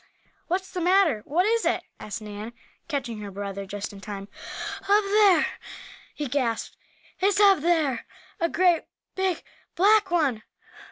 "What's the matter? What is it?" asked Nan, catching her brother just in time. "Up there!" he gasped. "It's up there! A great big black one!"